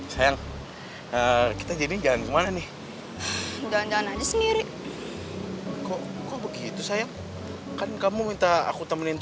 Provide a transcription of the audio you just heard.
sayang kita jadi jalan kemana nih jangan aja sendiri begitu sayang kan kamu minta aku temenin